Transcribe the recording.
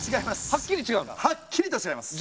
はっきりとちがいます。